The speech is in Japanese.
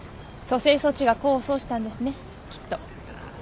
蘇生措置が功を奏したんですねきっと。